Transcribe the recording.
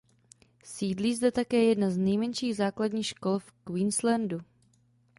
Sídlí zde také jedna z nejmenších základních škol v Queenslandu.